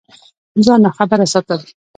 ځان ناخبره ساتل